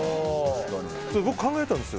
それ、僕考えたんですよ。